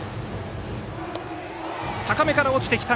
高めから落ちてきた！